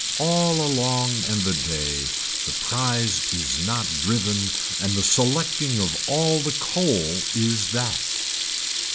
All along and the day, the prize is not driven and the selecting of all the coal is that.